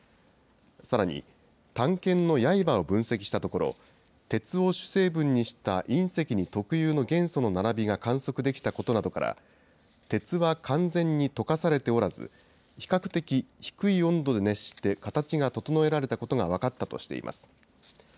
さらに、短剣のやいばを分析したところ、鉄を主成分にした隕石に特有の元素の並びが観測できたことなどから、鉄は完全に溶かされておらず、比較的低い温度で熱して形が整えられたことが分かったとしています。